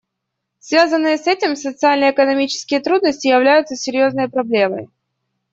Связанные с этим социально-экономические трудности являются серьезной проблемой.